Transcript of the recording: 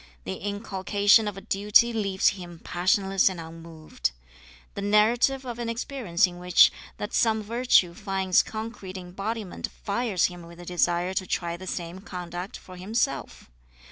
The inculcation of a duty leaves him passionless and unmoved. The narrative of an experience in which that same virtue finds concrete embodiment fires him with the desire to try the same conduct for himself.